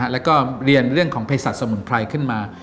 แล้วก็เรียนเรื่องของเพศัตวสมุนไพรขึ้นมา